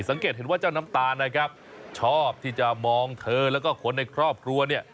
สังเกตเห็นว่าเจ้าน้ำตาลนะครับชอบที่จะมองเธอแล้วก็คนในครอบครัวเนี่ย